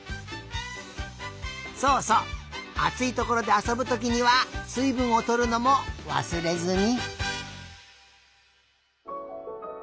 そうそうあついところであそぶときにはすいぶんをとるのもわすれずに。